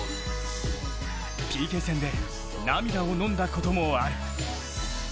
ＰＫ戦で涙をのんだこともある。